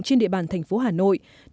trên địa bàn thành phố hà nội